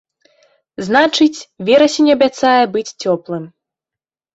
Значыць, верасень абяцае быць цёплым.